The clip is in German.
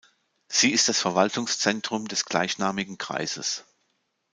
Sie ist das Verwaltungszentrum des gleichnamigen Kreises.